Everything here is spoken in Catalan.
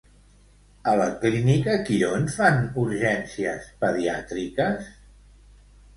A la Clínica Quirón fan urgències pediàtriques?